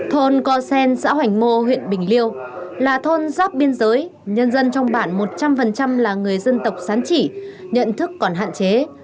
thôn co sen xã hoành mô huyện bình liêu là thôn giáp biên giới nhân dân trong bản một trăm linh là người dân tộc sán chỉ nhận thức còn hạn chế